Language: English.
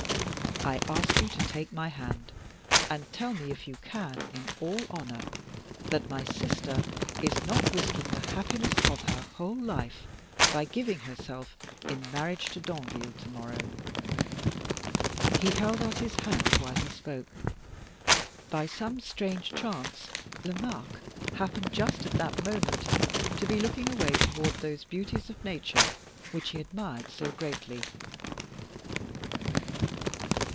I ask you to take my hand, and tell me if you can, in all honor, that my sister is not risking the happiness of her whole life by giving herself in marriage to Danville to morrow!" He held out his hand while he spoke. By some strange chance, Lomaque happened just at that moment to be looking away toward those beauties of Nature which he admired so greatly.